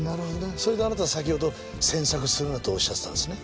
それであなたは先ほど詮索するなとおっしゃってたんですね。